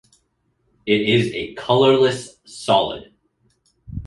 It is a colourless solid.